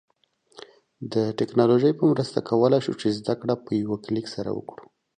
د ټیکنالوژی په مرسته کولای شو چې زده کړه په یوه کلیک سره وکړو